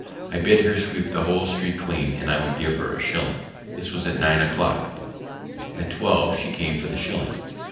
I bid her sweep the whole street clean, and I would give her a shilling; this was at nine o'clock; at 12 she came for the shilling.